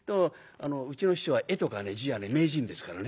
うちの師匠は絵とか字はね名人ですからね。